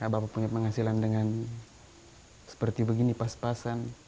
bapak punya penghasilan dengan seperti begini pas pasan